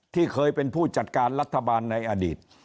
ที่เคยเป็นผู้จัดการรัฐบาลในอดีต